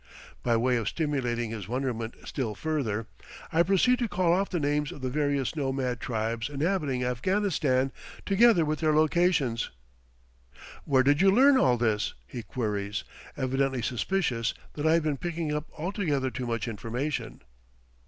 By way of stimulating his wonderment still further, I proceed to call off the names of the various nomad tribes inhabiting Afghanistan, together with their locations. "Where did you learn all this." he queries, evidently suspicious that I have been picking up altogether too much information.